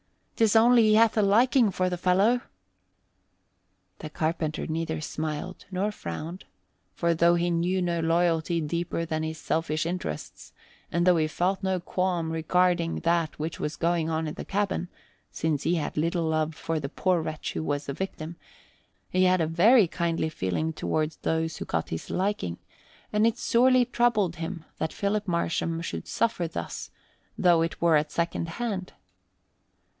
'Tis only he hath a liking for the fellow." The carpenter neither smiled nor frowned, for though he knew no loyalty deeper than his selfish interests, and though he felt no qualm regarding that which was going on in the cabin (since he had little love for the poor wretch who was the victim), he had a very kindly feeling toward those who got his liking; and it sorely troubled him that Philip Marsham should suffer thus, though it were at second hand.